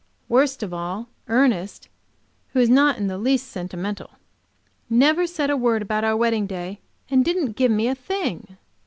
Worst of all Ernest, who is not in the least sentimental, never said a word about our wedding day, and didn't give me a thing!